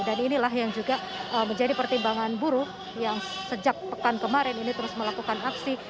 dan inilah yang juga menjadi pertimbangan buruk yang sejak pekan kemarin ini terus melakukan aksi